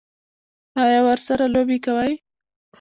ایا ورسره لوبې کوئ؟